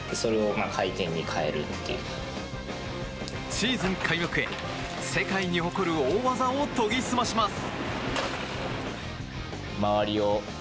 シーズン開幕へ、世界に誇る大技を研ぎ澄まします。